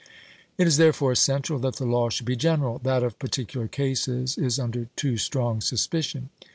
It is therefore essential that the law should be general ; that of particular cases is under too strong suspicion.